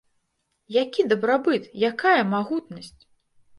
Які дабрабыт, якая магутнасць?!